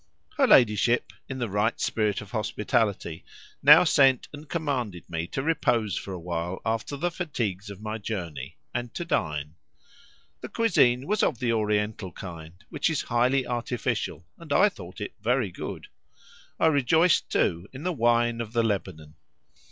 Her ladyship, in the right spirit of hospitality, now sent and commanded me to repose for a while after the fatigues of my journey, and to dine. The cuisine was of the Oriental kind, which is highly artificial, and I thought it very good. I rejoiced too in the wine of the Lebanon.